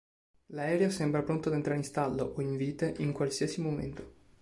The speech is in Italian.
L'aereo sembra pronto ad entrare in stallo o in vite in qualsiasi momento.